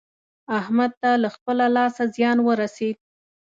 احمد ته له خپله لاسه زيان ورسېد.